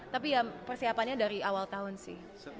tapi ya persiapannya dari awal tahun sih